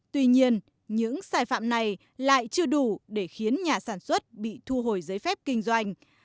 tuy nhiên những sai phạm này lại chưa đủ để khiến nhà sản xuất bị thu hồi giấy phép kinh doanh